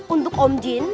untuk om jin